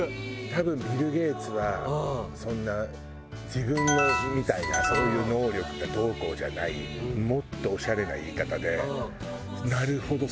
多分ビル・ゲイツはそんな自分のみたいなそういう能力がどうこうじゃないもっとオシャレな言い方でなるほど！